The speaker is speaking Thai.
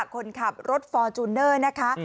คนขับรถฟอร์จูนเนอร์